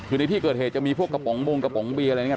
คือในที่เกิดเหตุจะมีพวกกระป๋องบงกระป๋องเบียร์อะไรอย่างนี้